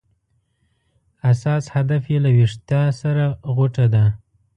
اساس هدف یې له ویښتیا سره غوټه ده.